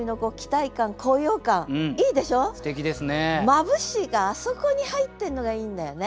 「眩し」があそこに入ってんのがいいんだよね。